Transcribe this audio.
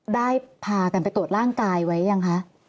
ได้พากันไปตรวจร่างกายไว้ยังคะ